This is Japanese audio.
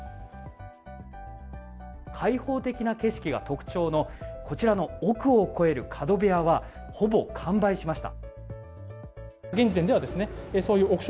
開放的な景色が特徴のこちらの億を超える角部屋はほぼ完売しました。